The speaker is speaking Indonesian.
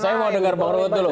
saya mau denger bang roto dulu